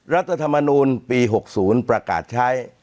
รัฐธรรมนูลปี๖๐ประกาศใช้